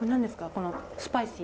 このスパイシー。